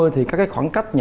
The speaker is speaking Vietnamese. thì các khoảng cách